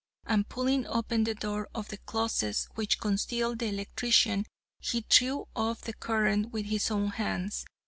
And pulling open the door of the closet which concealed the Electrician, he threw off the current with his own hands.